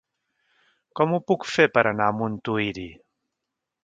Com ho puc fer per anar a Montuïri?